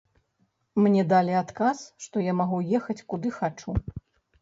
Мне далі адказ, што я магу ехаць куды хачу.